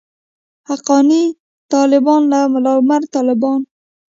حقاني طالبان او ملاعمر طالبان.